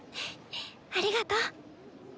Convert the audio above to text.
ありがとう。